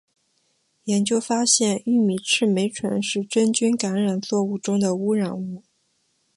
研究发现玉米赤霉醇是真菌感染作物中的污染物。